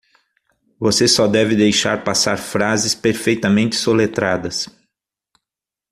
Você só deve deixar passar frases perfeitamente soletradas.